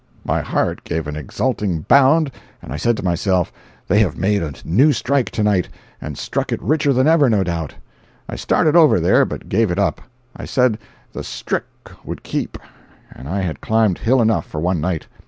My heart gave an exulting bound, and I said to myself, "They have made a new strike to night—and struck it richer than ever, no doubt." I started over there, but gave it up. I said the "strick" would keep, and I had climbed hill enough for one night.